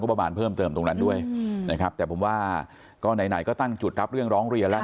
ประมาณเพิ่มเติมตรงนั้นด้วยนะครับแต่ผมว่าก็ไหนไหนก็ตั้งจุดรับเรื่องร้องเรียนแล้ว